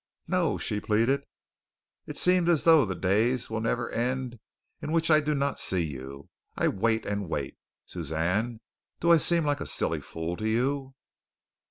"No," she pleaded. "It seems as though the days will never end in which I do not see you. I wait and wait. Suzanne, do I seem like a silly fool to you?"